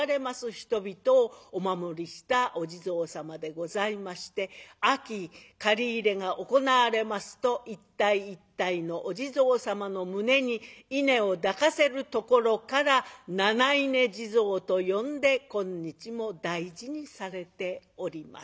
人々をお守りしたお地蔵様でございまして秋刈り入れが行われますと一体一体のお地蔵様の胸に稲を抱かせるところから七稲地蔵と呼んで今日も大事にされております。